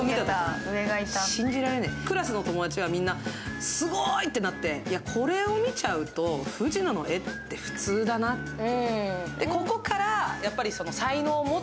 クラスの友達はみんなすごーい！ってなって、いや、これを見ちゃうと藤野の絵って普通だなって。